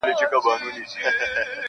جهاني-